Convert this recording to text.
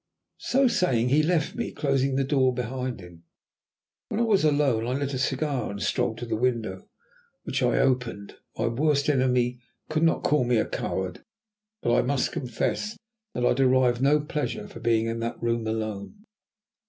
So saying, he left me, closing the door behind him. When I was alone, I lit a cigar and strolled to the window, which I opened. My worst enemy could not call me a coward, but I must confess that I derived no pleasure from being in that room alone.